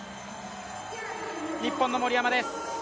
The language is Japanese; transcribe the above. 日本の森山です。